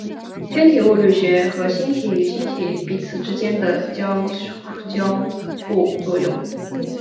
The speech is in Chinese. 天体物理学和星体与星体彼此之间的交互作用。